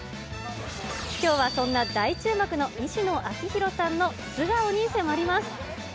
きょうはそんな大注目の西野亮廣さんの素顔に迫ります。